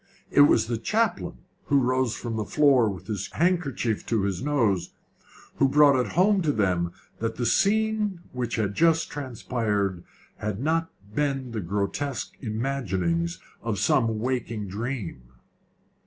It was the chaplain, who rose from the floor with his handkerchief to his nose, who brought it home to them that the scene which had just transpired had not been the grotesque imaginings of some waking dream.